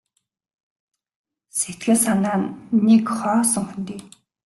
Сэтгэл санаа нь нэг хоосон хөндий.